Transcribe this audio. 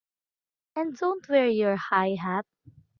And don't wear your high hat!